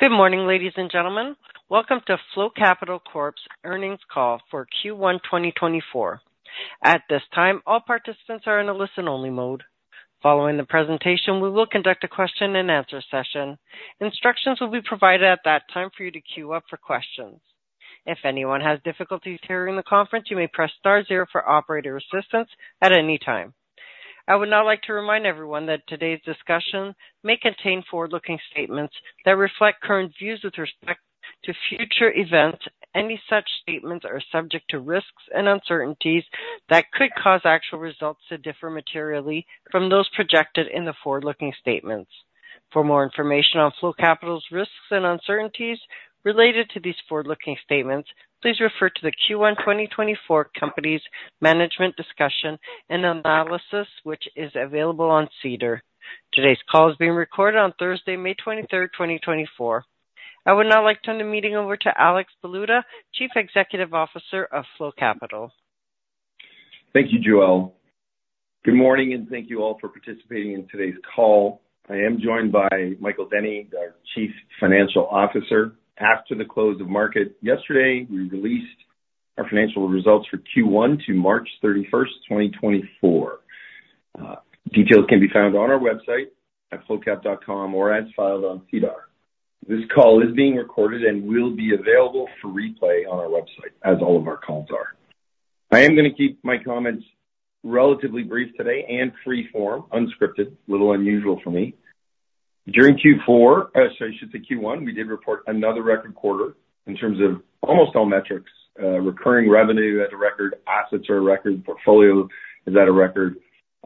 Good morning, ladies and gentlemen. Welcome to Flow Capital Corp's earnings call for Q1 2024. At this time, all participants are in a listen-only mode. Following the presentation, we will conduct a question-and-answer session. Instructions will be provided at that time for you to queue up for questions. If anyone has difficulties hearing the conference, you may press star zero for operator assistance at any time. I would now like to remind everyone that today's discussion may contain forward-looking statements that reflect current views with respect to future events. Any such statements are subject to risks and uncertainties that could cause actual results to differ materially from those projected in the forward-looking statements. For more information on Flow Capital's risks and uncertainties related to these forward-looking statements, please refer to the Q1 2024 company's management discussion and analysis, which is available on SEDAR+. Today's call is being recorded on Thursday, May 23, 2024. I would now like to turn the meeting over to Alex Baluta, Chief Executive Officer of Flow Capital. Thank you, Joel. Good morning, and thank you all for participating in today's call. I am joined by Michael Denny, our Chief Financial Officer. After the close of market yesterday, we released our financial results for Q1 to March 31, 2024. Details can be found on our website at flowcap.com or as filed on SEDAR+. This call is being recorded and will be available for replay on our website, as all of our calls are. I am gonna keep my comments relatively brief today and free form, unscripted, a little unusual for me. During Q4, sorry, I should say Q1, we did report another record quarter in terms of almost all metrics. Recurring revenue at a record, assets are a record, portfolio is at a record,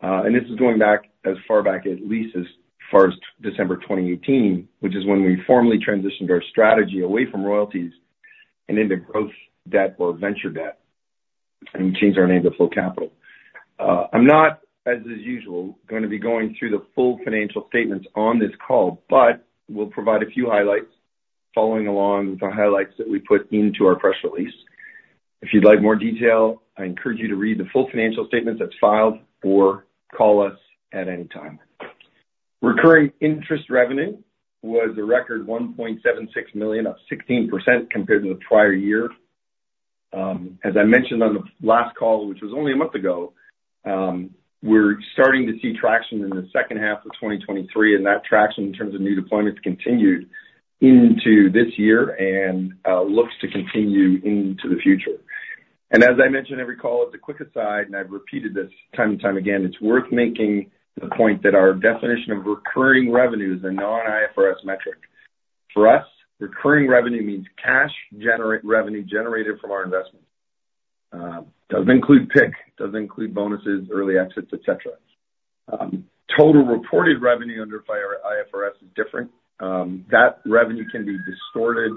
and this is going back as far back, at least as far as December 2018, which is when we formally transitioned our strategy away from royalties and into growth debt or venture debt, and we changed our name to Flow Capital. I'm not, as is usual, gonna be going through the full financial statements on this call, but we'll provide a few highlights following along the highlights that we put into our press release. If you'd like more detail, I encourage you to read the full financial statement that's filed or call us at any time. Recurring interest revenue was a record $1.76 million, up 16% compared to the prior year. As I mentioned on the last call, which was only a month ago, we're starting to see traction in the second half of 2023, and that traction in terms of new deployments continued into this year and looks to continue into the future. As I mention every call, as a quick aside, and I've repeated this time and time again, it's worth making the point that our definition of recurring revenue is a non-IFRS metric. For us, recurring revenue means cash revenue generated from our investments. Doesn't include PIK, doesn't include bonuses, early exits, et cetera. Total reported revenue under IFRS is different. That revenue can be distorted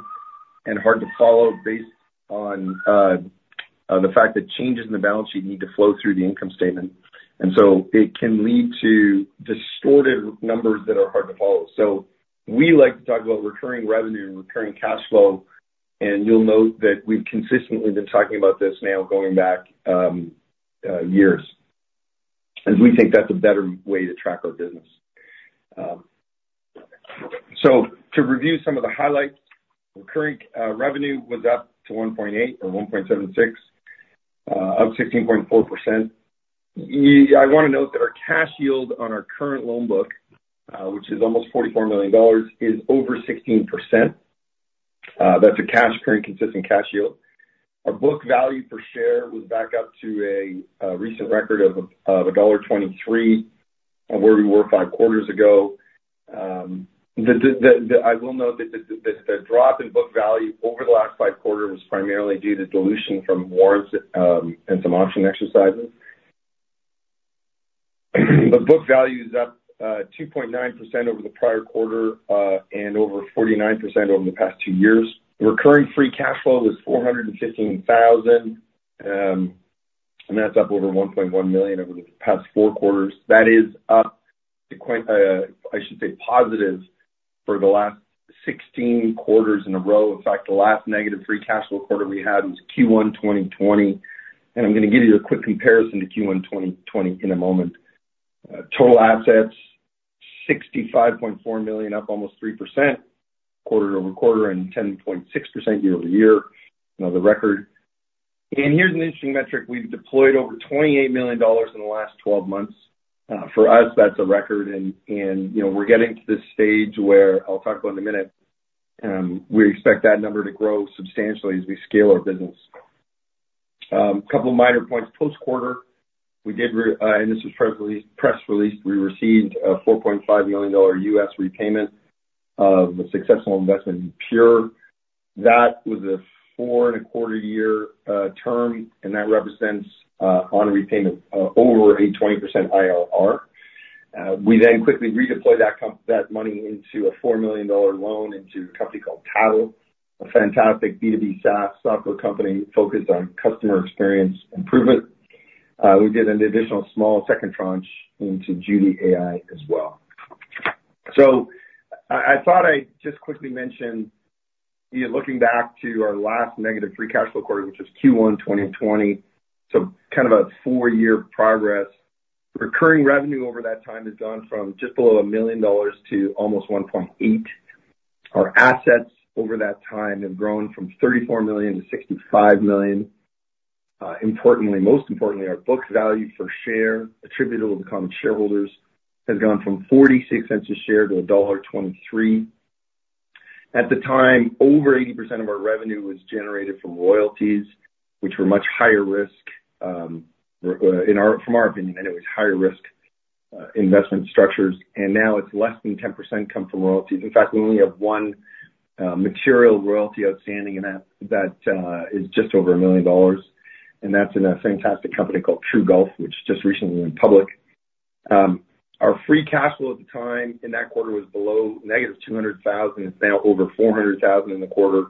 and hard to follow based on the fact that changes in the balance sheet need to flow through the income statement, and so it can lead to distorted numbers that are hard to follow. So we like to talk about recurring revenue and recurring cash flow, and you'll note that we've consistently been talking about this now going back years, as we think that's a better way to track our business. So to review some of the highlights, recurring revenue was up to 1.8 or 1.76 up 16.4%. I wanna note that our cash yield on our current loan book, which is almost 44 million dollars, is over 16%. That's a cash current consistent cash yield. Our book value per share was back up to a recent record of CAD 1.23 on where we were five quarters ago. I will note that the drop in book value over the last five quarters was primarily due to dilution from warrants and some option exercises. But book value is up 2.9% over the prior quarter and over 49% over the past two years. Recurring free cash flow was 415,000 and that's up over 1.1 million over the past four quarters. That is up to quite, I should say, positive for the last 16 quarters in a row. In fact, the last negative free cash flow quarter we had was Q1 2020, and I'm gonna give you a quick comparison to Q1 2020 in a moment. Total assets, 65.4 million, up almost 3% quarter-over-quarter and 10.6% year-over-year, another record. Here's an interesting metric: We've deployed over 28 million dollars in the last twelve months. For us, that's a record, and, and, you know, we're getting to the stage where I'll talk about in a minute, we expect that number to grow substantially as we scale our business. A couple of minor points. Post-quarter, we received a $4.5 million repayment of a successful investment in Pyure, and this was press released. That was a 4.25-year term, and that represents on a repayment over a 20% IRR. We then quickly redeployed that money into a 4 million dollar loan into a company called Tattle, a fantastic B2B SaaS software company focused on customer experience improvement. We did an additional small second tranche into JUDI.AI as well. So I thought I'd just quickly mention. Yeah, looking back to our last negative free cash flow quarter, which was Q1 2020, so kind of a four-year progress. Recurring revenue over that time has gone from just below 1 million dollars to almost 1.8 million. Our assets over that time have grown from 34 million to 65 million. Importantly, most importantly, our book value per share attributable to the common shareholders has gone from 0.46 per share to dollar 1.23. At the time, over 80% of our revenue was generated from royalties, which were much higher risk, in our opinion, anyways, higher risk investment structures, and now it's less than 10% come from royalties. In fact, we only have one material royalty outstanding, and that is just over 1 million dollars, and that's in a fantastic company called TruGolf, which just recently went public. Our free cash flow at the time in that quarter was below -200,000. It's now over 400,000 in the quarter.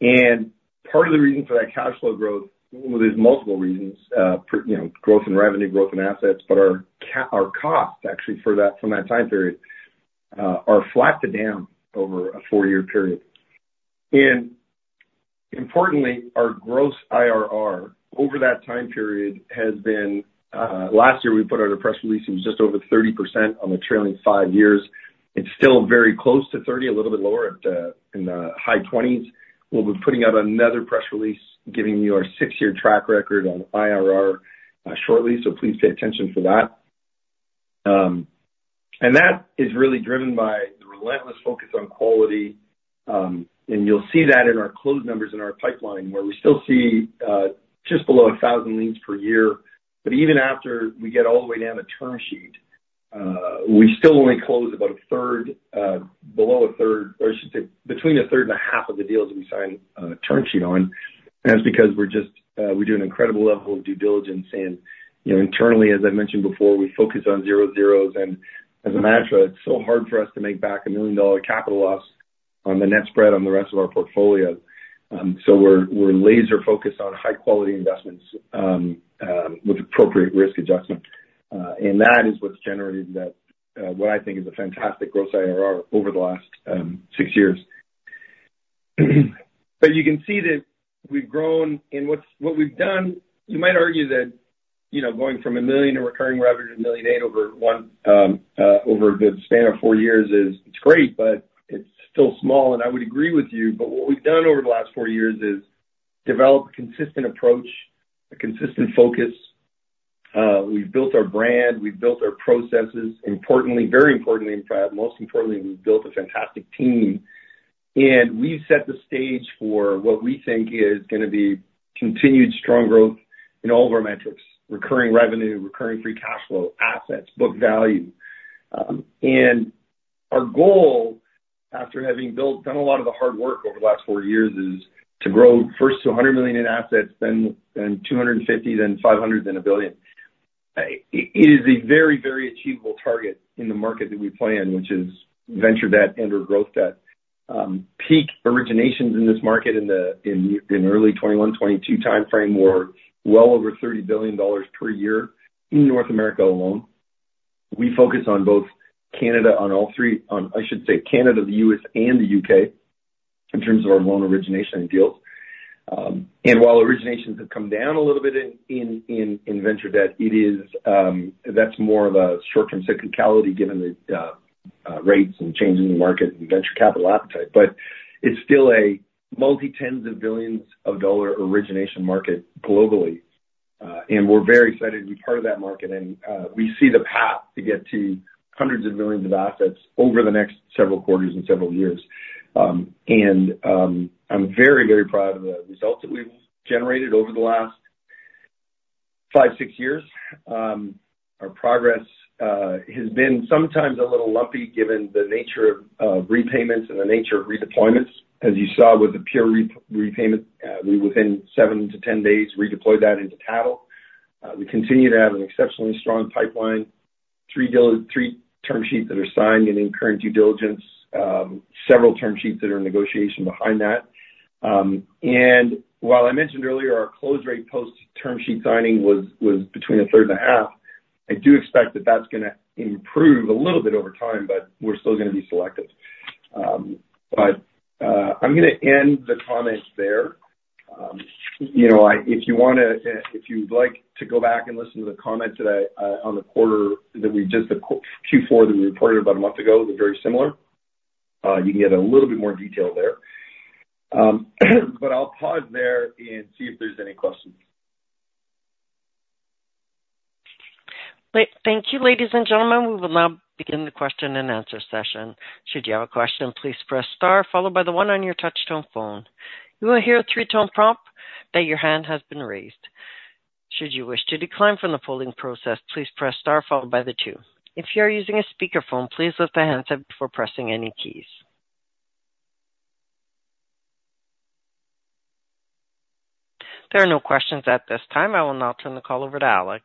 And part of the reason for that cash flow growth, well, there's multiple reasons, you know, growth in revenue, growth in assets, but our costs, actually, for that, from that time period, are flat to down over a 4-year period. Importantly, our gross IRR over that time period has been, last year we put out a press release, it was just over 30% on the trailing 5 years. It's still very close to 30, a little bit lower, at in the high twenties. We'll be putting out another press release, giving you our 6-year track record on IRR, shortly, so please pay attention for that. And that is really driven by the relentless focus on quality, and you'll see that in our close numbers in our pipeline, where we still see, just below 1,000 leads per year. But even after we get all the way down the term sheet, we still only close about a third, below a third, or I should say, between a third and a half of the deals we sign a term sheet on. That's because we do an incredible level of due diligence. You know, internally, as I mentioned before, we focus on zero zeros, and as a mantra, it's so hard for us to make back a 1 million dollar capital loss on the net spread on the rest of our portfolio. So we're laser focused on high quality investments with appropriate risk adjustment. And that is what's generated that what I think is a fantastic gross IRR over the last six years. So you can see that we've grown and what we've done, you might argue that, you know, going from 1 million in recurring revenue to 1.8 million over the span of four years is great, but it's still small, and I would agree with you. But what we've done over the last four years is develop a consistent approach, a consistent focus. We've built our brand, we've built our processes. Importantly, very importantly, in fact, most importantly, we've built a fantastic team. And we've set the stage for what we think is gonna be continued strong growth in all of our metrics, recurring revenue, recurring free cash flow, assets, book value. And our goal, after having built, done a lot of the hard work over the last four years, is to grow first to 100 million in assets, then 250 million, then 500 million, then 1 billion. It is a very, very achievable target in the market that we play in, which is venture debt and/or growth debt. Peak originations in this market in early 2021, 2022 timeframe, were well over $30 billion per year in North America alone. We focus on both Canada, on all three. I should say Canada, the U.S., and the U.K., in terms of our loan origination and deals. And while originations have come down a little bit in venture debt, it is, that's more of a short-term cyclicality given the rates and changes in the market and venture capital appetite. But it's still a multi-tens of billions of dollars origination market globally. And we're very excited to be part of that market, and we see the path to get to hundreds of millions of assets over the next several quarters and several years. I'm very, very proud of the results that we've generated over the last 5-6 years. Our progress has been sometimes a little lumpy, given the nature of repayments and the nature of redeployments. As you saw with the Pyure repayment, we, within 7-10 days, redeployed that into Tattle. We continue to have an exceptionally strong pipeline, 3 term sheets that are signed and in current due diligence, several term sheets that are in negotiation behind that. And while I mentioned earlier, our close rate post-term sheet signing was between a third and a half, I do expect that that's gonna improve a little bit over time, but we're still gonna be selective. But I'm gonna end the comments there. You know, if you wanna, if you'd like to go back and listen to the comments that I on the quarter, that we just, the Q4 that we reported about a month ago, they're very similar. You can get a little bit more detail there. But I'll pause there and see if there's any questions. Thank, thank you, ladies and gentlemen. We will now begin the question-and-answer session. Should you have a question, please press star followed by the one on your touchtone phone. You will hear a three-tone prompt that your hand has been raised. Should you wish to decline from the polling process, please press star followed by the two. If you are using a speakerphone, please lift the handset before pressing any keys. There are no questions at this time. I will now turn the call over to Alex.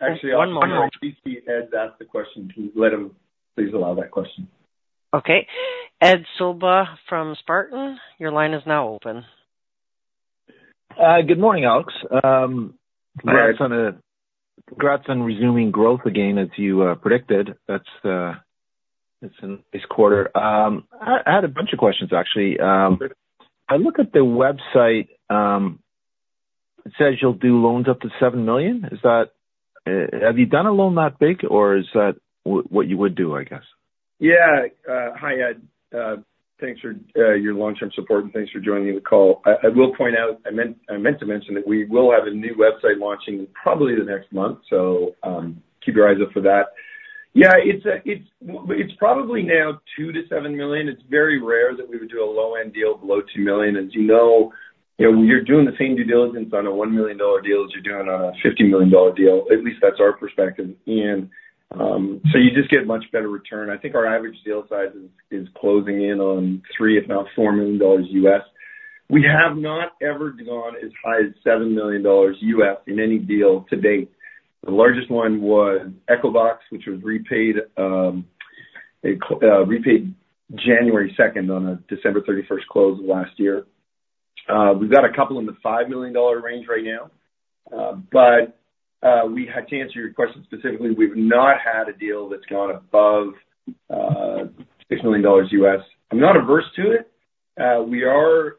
Actually, I'll- One more. I see Ed's asked a question. Can you let him? Please allow that question. Okay. Ed Sollbach from Spartan, your line is now open.... Good morning, Alex. Congrats on resuming growth again, as you predicted. That's, it's in this quarter. I had a bunch of questions, actually. I look at the website, it says you'll do loans up to 7 million. Is that... Have you done a loan that big, or is that what you would do, I guess? Yeah. Hi, Ed. Thanks for your long-term support, and thanks for joining the call. I will point out, I meant to mention that we will have a new website launching probably the next month, so, keep your eyes out for that. Yeah, it's probably now $2 million-$7 million. It's very rare that we would do a low-end deal below $2 million. As you know, you know, when you're doing the same due diligence on a $1 million deal as you're doing on a $50 million deal, at least that's our perspective. And, so you just get much better return. I think our average deal size is closing in on $3 million, if not $4 million US. We have not ever gone as high as $7 million US in any deal to date. The largest one was Echobox, which was repaid. It repaid January 2 on a December 31 close last year. We've got a couple in the $5 million range right now. But, to answer your question specifically, we've not had a deal that's gone above $6 million. I'm not averse to it. We are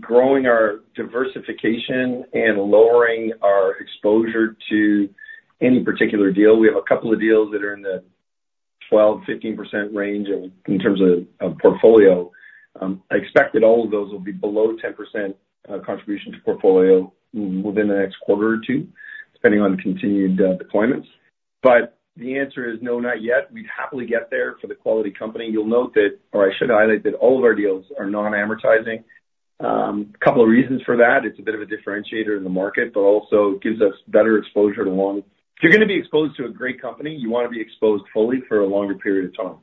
growing our diversification and lowering our exposure to any particular deal. We have a couple of deals that are in the 12%-15% range in terms of portfolio. I expect that all of those will be below 10% contribution to portfolio within the next quarter or two, depending on the continued deployments. But the answer is no, not yet. We'd happily get there for the quality company. You'll note that, or I should highlight, that all of our deals are non-amortizing. A couple of reasons for that, it's a bit of a differentiator in the market, but also gives us better exposure to loans. If you're gonna be exposed to a great company, you wanna be exposed fully for a longer period of time.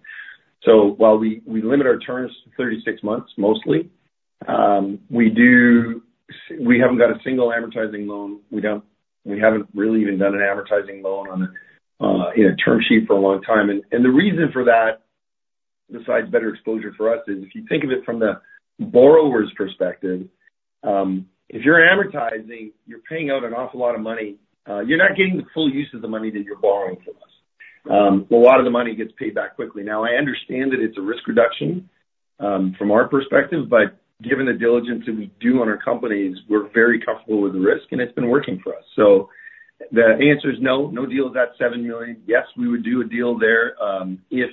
So while we, we limit our terms to 36 months, mostly, we do... We haven't got a single amortizing loan. We don't, we haven't really even done an amortizing loan on a, in a term sheet for a long time. And, and the reason for that, besides better exposure for us, is if you think of it from the borrower's perspective, if you're amortizing, you're paying out an awful lot of money, you're not getting the full use of the money that you're borrowing from us. A lot of the money gets paid back quickly. Now, I understand that it's a risk reduction from our perspective, but given the diligence that we do on our companies, we're very comfortable with the risk, and it's been working for us. So the answer is no, no deal at that $7 million. Yes, we would do a deal there if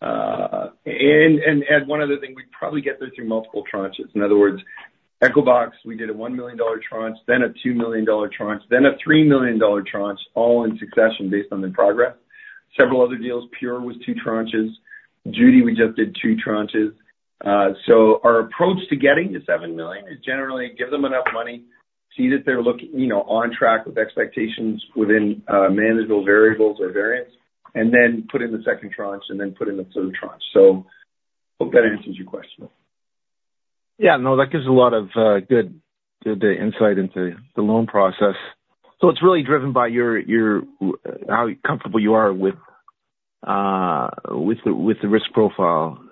one other thing, we'd probably get there through multiple tranches. In other words, Echobox, we did a $1 million tranche, then a $2 million tranche, then a $3 million tranche, all in succession based on the progress. Several other deals, Pyure was two tranches. JUDI, we just did two tranches. So our approach to getting to 7 million is generally give them enough money, see that they're looking, you know, on track with expectations within manageable variables or variants, and then put in the second tranche and then put in the third tranche. So hope that answers your question. Yeah, no, that gives a lot of, good, good insight into the loan process. So it's really driven by your, your, how comfortable you are with, with the, with the risk profile-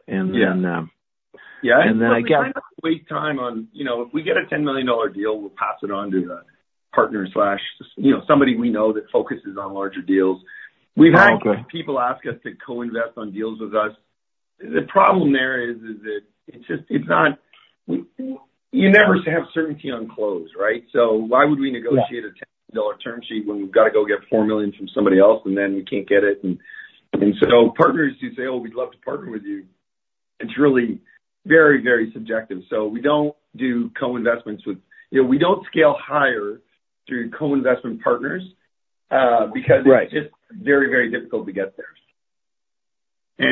Yeah. - and then, yeah, and then again- We try not to waste time on, you know, if we get a $10 million deal, we'll pass it on to the partner slash... You know, somebody we know that focuses on larger deals. Okay. We've had people ask us to co-invest on deals with us. The problem there is that it's just, you never have certainty on close, right? So why would we negotiate- Yeah... $10 million term sheet when we've got to go get $4 million from somebody else, and then we can't get it? And so partners, you say, "Oh, we'd love to partner with you." It's really very, very subjective, so we don't do co-investments with... You know, we don't scale higher through co-investment partners, because- Right It's very, very difficult to get there.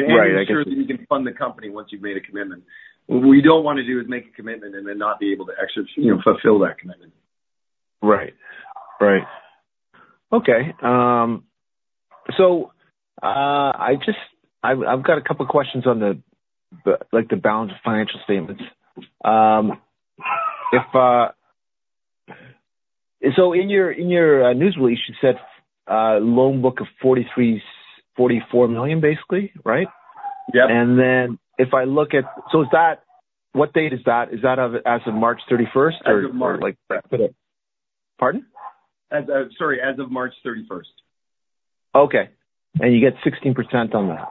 Right, I guess- Ensure that you can fund the company once you've made a commitment. What we don't want to do is make a commitment and then not be able to exercise, you know, fulfill that commitment. Right. Right. Okay, so, I just... I've, I've got a couple questions on the, the, like, the balance of financial statements. If, so... So in your, in your, news release, you said, loan book of 43-44 million, basically, right? Yep. And then if I look at... So is that, what date is that? Is that as of March thirty-first? As of March. Pardon? Sorry, as of March 31st. Okay, and you get 16% on that?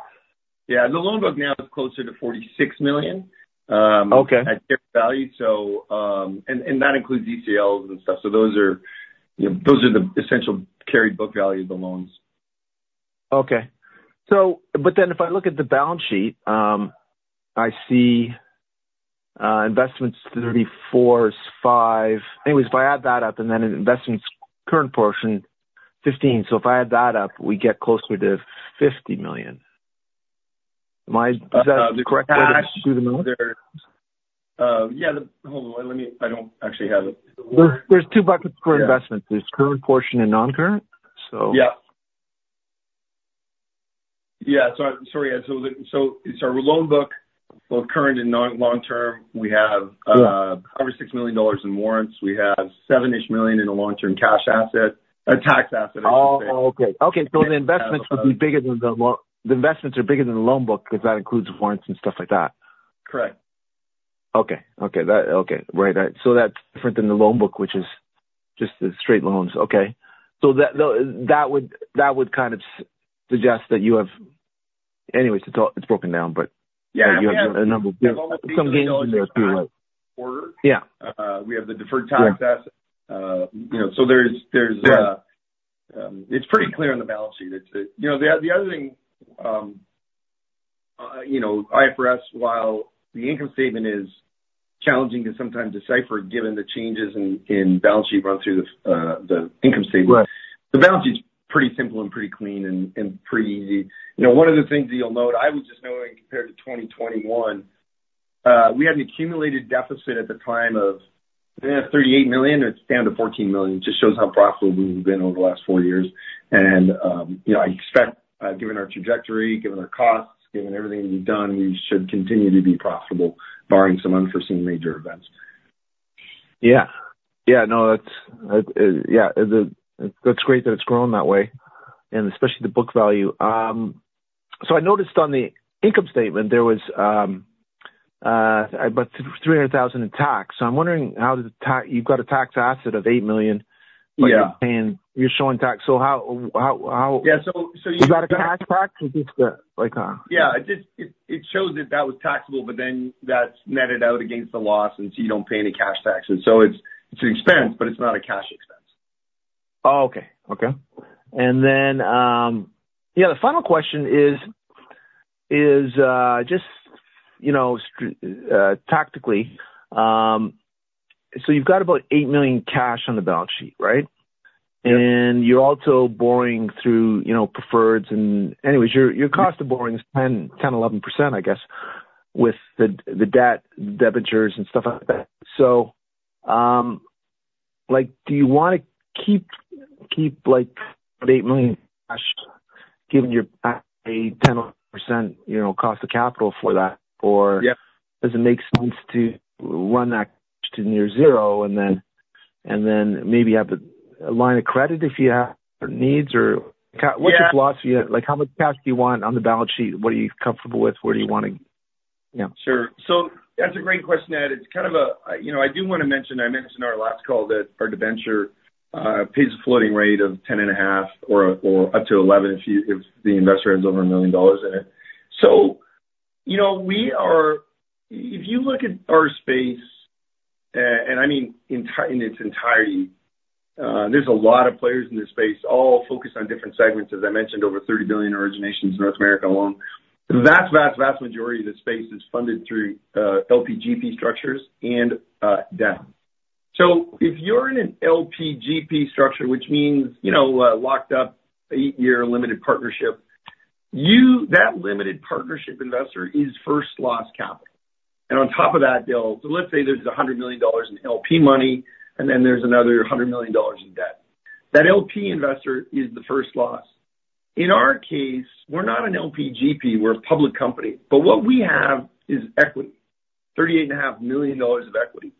Yeah, the loan book now is closer to 46 million- Okay... at fair value. So, and that includes ECLs and stuff, so those are, you know, those are the essential carried book value of the loans. Okay. But then if I look at the balance sheet, I see investments 34.5. Anyways, if I add that up, and then investments current portion, 15. So if I add that up, we get closer to 50 million. Am I, is that correct? Yeah. Hold on, let me... I don't actually have it. There's two buckets for investment. Yeah. There's current portion and non-current, so. Yeah. Yeah, so sorry, Ed. So our loan book, both current and long-term, we have- Sure... over $6 million in warrants. We have $7-ish million in a long-term cash asset, tax asset, I should say. Oh, okay. Okay. Yeah. So the investments are bigger than the loan book, because that includes warrants and stuff like that. Correct.... Okay. Okay, okay. Right, so that's different than the loan book, which is just the straight loans. Okay. So that, though, that would, that would kind of suggest that you have anyways, it's all, it's broken down, but- Yeah. You have a number of, some gains in there too, right? Order. Yeah. We have the deferred tax asset. Yeah. You know, so there's Right. It's pretty clear on the balance sheet. It's, you know, the other thing, you know, IFRS while the income statement is challenging to sometimes decipher, given the changes in balance sheet run through the income statement. Right. The balance sheet's pretty simple and pretty clean and pretty easy. You know, one of the things that you'll note, I was just noting compared to 2021, we had an accumulated deficit at the time of 38 million. It's down to 14 million. Just shows how profitable we've been over the last four years. And, you know, I expect, given our trajectory, given our costs, given everything we've done, we should continue to be profitable, barring some unforeseen major events. Yeah. Yeah, no, that's great that it's grown that way, and especially the book value. So I noticed on the income statement there was about 300 thousand in tax. So I'm wondering, how does the tax—you've got a tax asset of 8 million. Yeah. But you're paying, you're showing tax, so how, how, how- Yeah, so, so you- Is that a cash tax or just the, like? Yeah, it just shows that that was taxable, but then that's netted out against the loss, and so you don't pay any cash taxes. So it's an expense, but it's not a cash expense. Oh, okay. Okay. And then, yeah, the final question is just, you know, tactically, so you've got about 8 million cash on the balance sheet, right? Yeah. And you're also borrowing through, you know, preferreds and anyways, your, your cost of borrowing is 10, 10, 11%, I guess, with the, the debt, debentures and stuff like that. So, like, do you wanna keep, keep, like, the 8 million cash, given your pay 10%, you know, cost of capital for that? Or- Yeah. Does it make sense to run that to near zero and then maybe have a line of credit if you have needs or...? Yeah. What's your philosophy? Like, how much cash do you want on the balance sheet? What are you comfortable with? Where do you want to... Yeah. Sure. So that's a great question, Ed. It's kind of a, you know, I do want to mention. I mentioned our last call that our debenture pays a floating rate of 10.5 or up to 11, if the investor has over $1 million in it. So, you know, we are—if you look at our space, and I mean, in its entirety, there's a lot of players in this space, all focused on different segments. As I mentioned, over $30 billion originations in North America alone. The vast, vast, vast majority of the space is funded through LP GP structures and debt. So if you're in an LP GP structure, which means, you know, a locked up 8-year limited partnership, you... That limited partnership investor is first loss capital. On top of that, so let's say there's 100 million dollars in LP money, and then there's another 100 million dollars in debt. That LP investor is the first loss. In our case, we're not an LP GP, we're a public company. But what we have is equity, 38.5 million dollars of equity.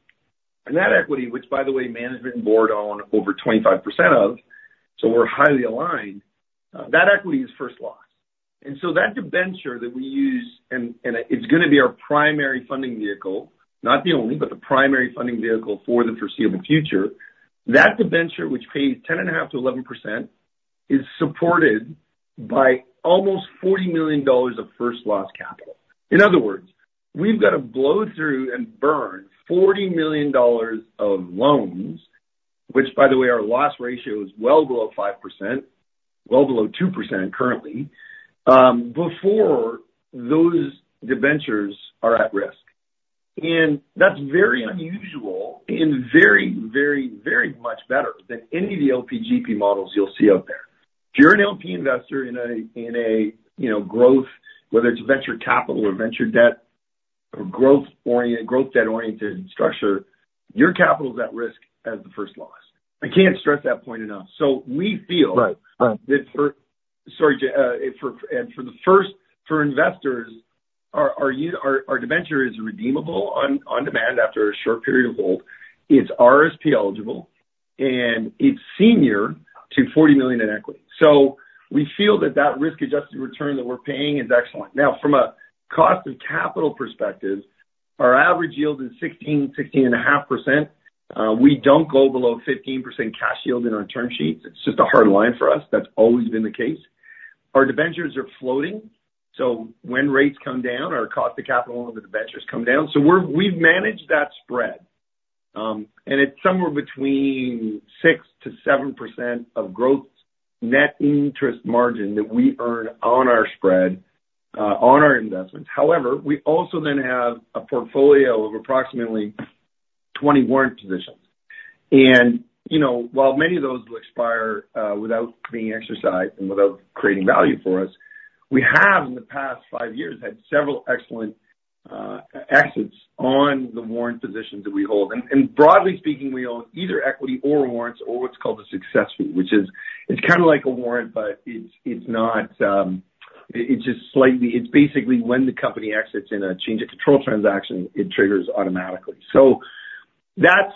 And that equity, which by the way, management and board own over 25% of, so we're highly aligned, that equity is first loss. And so that debenture that we use, and it's gonna be our primary funding vehicle, not the only, but the primary funding vehicle for the foreseeable future. That debenture, which pays 10.5%-11%, is supported by almost 40 million dollars of first loss capital. In other words, we've got to blow through and burn $40 million of loans, which, by the way, our loss ratio is well below 5%, well below 2% currently, before those debentures are at risk. And that's very unusual and very, very, very much better than any of the LP GP models you'll see out there. If you're an LP investor in a, in a, you know, growth, whether it's venture capital or venture debt or growth-oriented, growth, debt-oriented structure, your capital is at risk as the first loss. I can't stress that point enough. So we feel- Right. Right. Sorry, just for investors, our debenture is redeemable on demand after a short period of hold. It's RSP eligible, and it's senior to 40 million in equity. So we feel that that risk-adjusted return that we're paying is excellent. Now, from a cost of capital perspective, our average yield is 16-16.5%. We don't go below 15% cash yield in our term sheets. It's just a hard line for us. That's always been the case. Our debentures are floating, so when rates come down, our cost of capital on the debentures come down. So we've managed that spread, and it's somewhere between 6%-7% of growth's net interest margin that we earn on our spread, on our investments. However, we also then have a portfolio of approximately 20 warrant positions. And, you know, while many of those will expire without being exercised and without creating value for us, we have, in the past five years, had several excellent exits on the warrant positions that we hold. And broadly speaking, we own either equity or warrants or what's called a success fee, which is, it's kind of like a warrant, but it's not. It's just slightly it's basically when the company exits in a change of control transaction, it triggers automatically. So that's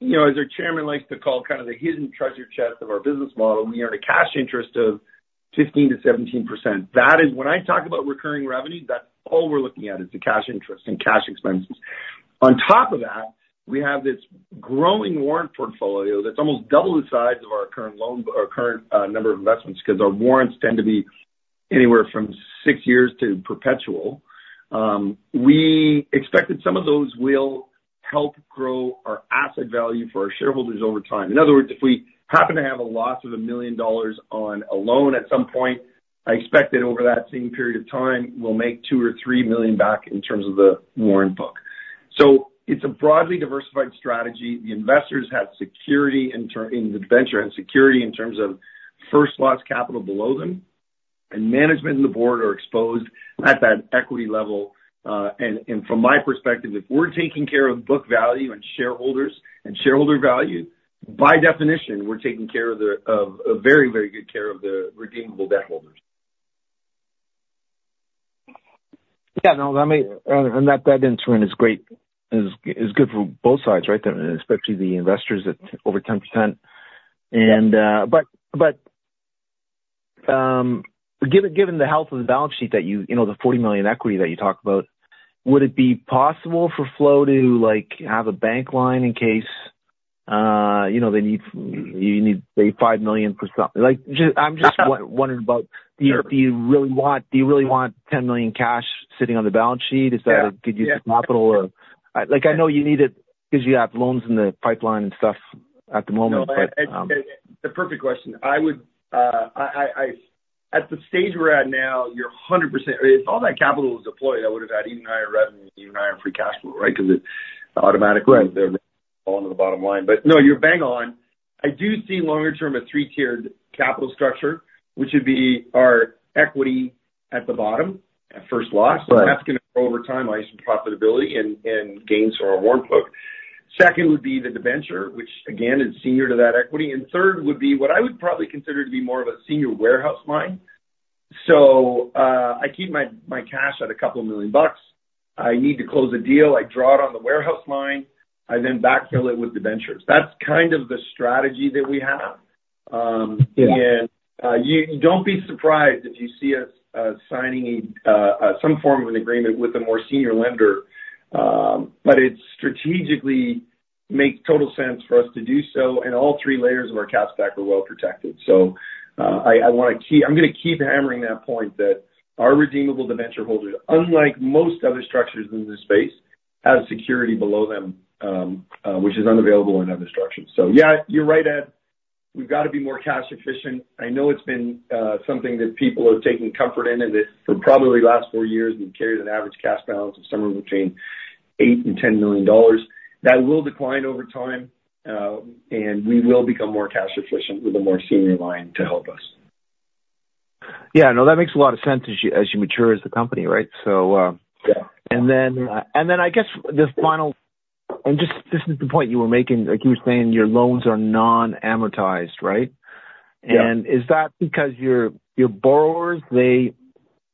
you know, as our chairman likes to call, kind of the hidden treasure chest of our business model, we earn a cash interest of 15%-17%. That is, when I talk about recurring revenue, that's all we're looking at, is the cash interest and cash expenses. On top of that, we have this growing warrant portfolio that's almost double the size of our current loan, our current number of investments, 'cause our warrants tend to be anywhere from six years to perpetual. We expect that some of those will help grow our asset value for our shareholders over time. In other words, if we happen to have a loss of 1 million dollars on a loan at some point, I expect that over that same period of time, we'll make 2 million or 3 million back in terms of the warrant book. So it's a broadly diversified strategy. The investors have security in terms of debenture and security in terms of first loss capital below them, and management and the board are exposed at that equity level. From my perspective, if we're taking care of book value and shareholders and shareholder value, by definition, we're taking very, very good care of the redeemable debt holders. Yeah, no. And that instrument is great, is good for both sides, right? Especially the investors at over 10%. And, but, given the health of the balance sheet that you know, the 40 million equity that you talked about, would it be possible for Flow to, like, have a bank line in case, you know, they need, you need, say, 5 million for something? Like, just- I'm just wondering about- Sure. Do you really want, do you really want 10 million cash sitting on the balance sheet? Yeah. Is that a good use of capital? Or, like, I know you need it because you have loans in the pipeline and stuff at the moment, but, No, it's a perfect question. I would... At the stage we're at now, you're 100%... If all that capital was deployed, I would have had even higher revenue and even higher free cash flow, right? Because it automatically- Right. fall into the bottom line. But no, you're bang on. I do see longer term, a three-tiered capital structure, which would be our equity at the bottom, at first loss. Right. So that's gonna, over time, isolate some profitability and gains to our warrant book. Second would be the debenture, which again, is senior to that equity. And third would be what I would probably consider to be more of a senior warehouse line. So, I keep my cash at $2 million. I need to close a deal, I draw it on the warehouse line, I then backfill it with debentures. That's kind of the strategy that we have. Yeah. And, you don't be surprised if you see us signing some form of an agreement with a more senior lender, but it strategically makes total sense for us to do so, and all three layers of our cash stack are well protected. So, I wanna keep... I'm gonna keep hammering that point, that our redeemable debenture holders, unlike most other structures in this space, have security below them, which is unavailable in other structures. So yeah, you're right, Ed. We've got to be more cash efficient. I know it's been something that people have taken comfort in, and that for probably the last four years, we've carried an average cash balance of somewhere between 8 million and 10 million dollars. That will decline over time, and we will become more cash efficient with a more senior line to help us. Yeah. No, that makes a lot of sense as you, as you mature as the company, right? So, Yeah. And then I guess the final... And just, this is the point you were making, like you were saying, your loans are non-amortizing, right? Yeah. Is that because your borrowers, you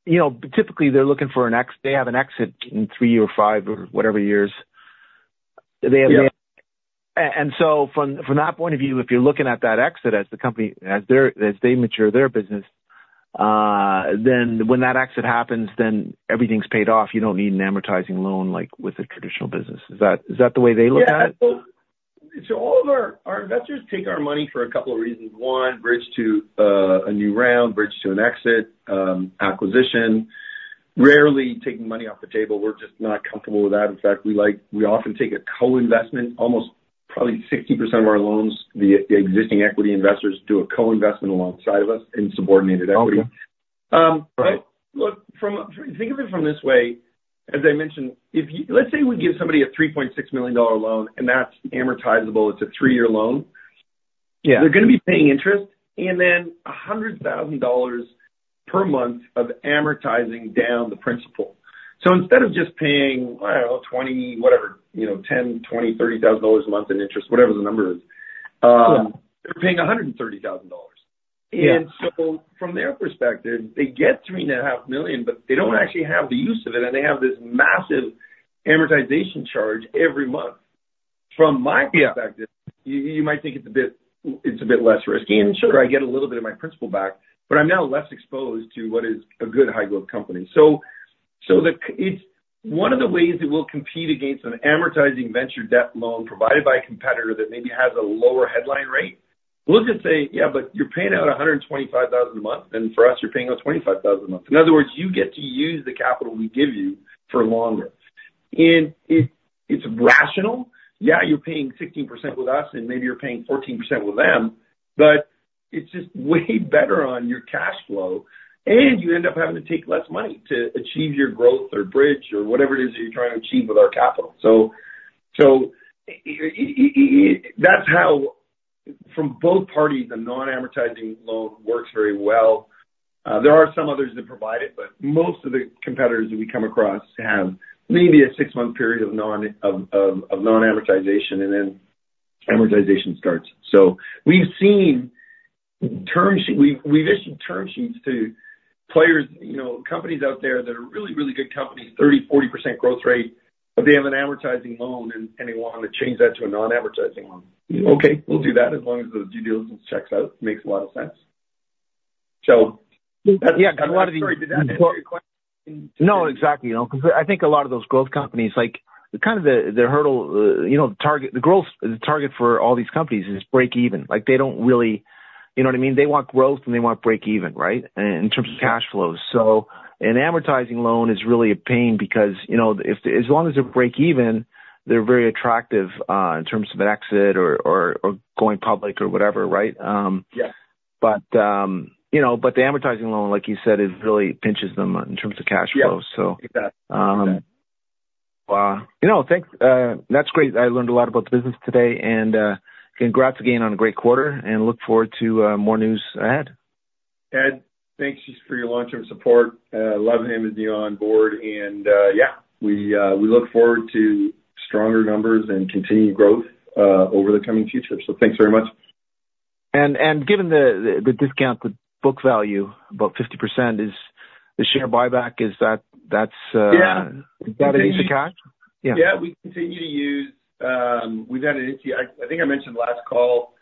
know, typically, they're looking for an exit in three or five or whatever years. They have- Yeah. And so from, from that point of view, if you're looking at that exit as the company, as they mature their business, then when that exit happens, then everything's paid off. You don't need an amortizing loan, like with a traditional business. Is that, is that the way they look at it? Yeah. So all of our investors take our money for a couple of reasons. One, bridge to a new round, bridge to an exit, acquisition. Rarely taking money off the table. We're just not comfortable with that. In fact, we like... We often take a co-investment. Almost, probably 60% of our loans, the existing equity investors do a co-investment alongside of us in subordinated equity. Okay. But look, think of it from this way, as I mentioned, if you... Let's say we give somebody a $3.6 million loan, and that's amortizable, it's a three-year loan. Yeah. They're gonna be paying interest and then $100,000 per month of amortizing down the principal. So instead of just paying, I don't know, 20, whatever, you know, $10,000, $20,000, $30,000 a month in interest, whatever the number is. Sure. They're paying $130,000. Yeah. From their perspective, they get 3.5 million, but they don't actually have the use of it, and they have this massive amortization charge every month. Yeah. From my perspective, you might think it's a bit less risky. And sure, I get a little bit of my principal back, but I'm now less exposed to what is a good high-growth company. So, it's one of the ways that we'll compete against an amortizing venture debt loan provided by a competitor that maybe has a lower headline rate. We'll just say, "Yeah, but you're paying out 125,000 a month, and for us, you're paying out 25,000 a month." In other words, you get to use the capital we give you for longer. And it's rational. Yeah, you're paying 16% with us, and maybe you're paying 14% with them, but it's just way better on your cash flow, and you end up having to take less money to achieve your growth or bridge or whatever it is you're trying to achieve with our capital. So that's how, from both parties, a non-amortizing loan works very well. There are some others that provide it, but most of the competitors that we come across have maybe a 6-month period of non-amortization, and then amortization starts. So we've seen term sheets. We've issued term sheets to players, you know, companies out there that are really, really good companies, 30%-40% growth rate, but they have an amortizing loan and they want to change that to a non-amortizing loan. Okay, we'll do that as long as the due diligence checks out. Makes a lot of sense. So- Yeah, because a lot of the- Sorry, did that answer your question? No, exactly. You know, because I think a lot of those growth companies, like, kind of the hurdle, you know, target the growth target for all these companies is break even. Like, they don't really... You know what I mean? They want growth, and they want break even, right, in terms of cash flows. So an amortizing loan is really a pain because, you know, as long as they're break even, they're very attractive, in terms of an exit or, or going public or whatever, right? Yes. You know, but the amortizing loan, like you said, it really pinches them in terms of cash flows, so. Yeah, exactly. You know, thanks. That's great. I learned a lot about the business today, and congrats again on a great quarter, and look forward to more news ahead. Ed, thanks just for your long-term support. Love having you on board and, yeah, we look forward to stronger numbers and continued growth over the coming future. So thanks very much. Given the discount with book value, about 50%, is the share buyback, is that, that's- Yeah. Is that extra cash? Yeah. Yeah, we continue to use. We've had an issue. I think I mentioned last call,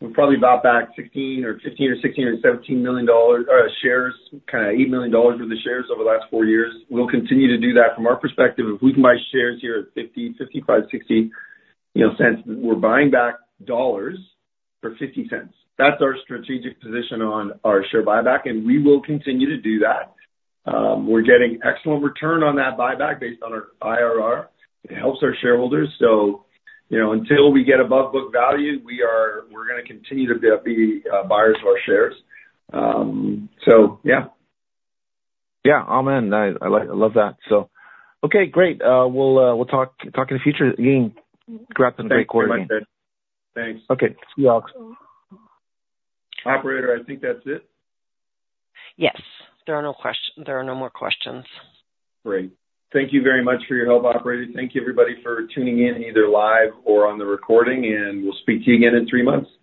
we probably bought back 16 or 15 or 16 or 17 million dollars, shares, kind of 8 million dollars worth of shares over the last 4 years. We'll continue to do that. From our perspective, if we can buy shares here at 50, 55, 60, you know, cents, we're buying back dollars for 50 cents. That's our strategic position on our share buyback, and we will continue to do that. We're getting excellent return on that buyback based on our IRR. It helps our shareholders. So, you know, until we get above book value, we're gonna continue to be buyers of our shares. So yeah. Yeah. I'm in. I like, I love that. So, okay, great. We'll talk in the future again. Congrats on a great quarter. Thanks. Okay. See you all. Operator, I think that's it. Yes, there are no questions. There are no more questions. Great. Thank you very much for your help, operator. Thank you, everybody, for tuning in, either live or on the recording, and we'll speak to you again in three months.